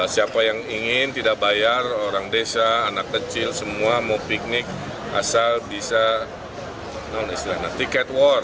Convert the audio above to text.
siapa yang ingin tidak bayar orang desa anak kecil semua mau piknik asal bisa non istilah tiket war